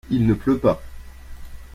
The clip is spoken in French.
Il ne pleut pas.